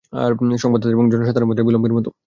সংবাদদাতা এবং জনসাধারণের মধ্যে বিলম্বের মতো।